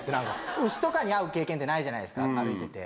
牛とかに会う経験ってないじゃないですか歩いてて。